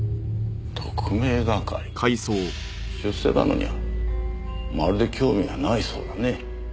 出世だのにはまるで興味がないそうだね。